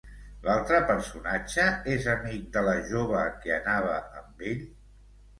L'altre personatge és amic de la jove que anava amb ell?